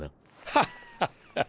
ハッハッハ！